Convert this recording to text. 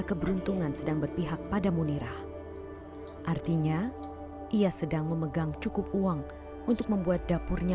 keberuntungan sedang berpihak pada munirah artinya ia sedang memegang cukup uang untuk membuat dapurnya